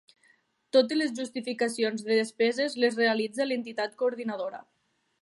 Totes les justificacions de despeses les realitza l'entitat coordinadora.